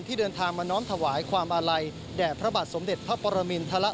เดินทางมาน้อมถวายความอาลัยแด่พระบาทสมเด็จพระปรมินทร